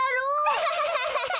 アハハハ！